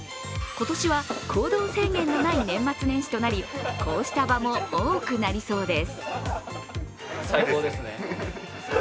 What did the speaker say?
今年は行動制限のない年末年始となり、こうした場も多くなりそうです。